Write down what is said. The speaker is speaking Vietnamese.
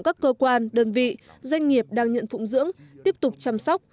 các cơ quan đơn vị doanh nghiệp đang nhận phụng dưỡng tiếp tục chăm sóc